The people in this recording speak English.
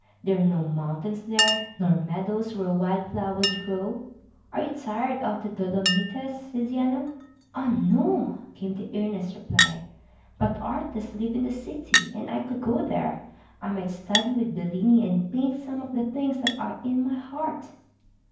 There are no mountains there, nor meadows where wild flowers grow. Are you tired of the Dolomites, Tiziano?" "Ah, no!" came the earnest reply. "But the artists live in the city, and if I could go there, I might study with Bellini, and paint some of the things that are in my heart."